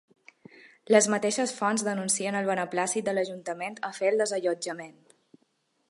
Les mateixes fonts denuncien el beneplàcit de l’ajuntament a fer el desallotjament.